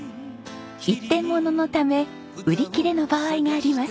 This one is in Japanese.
一点物のため売り切れの場合があります。